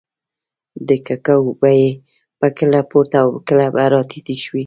د کوکو بیې به کله پورته او کله به راټیټې شوې.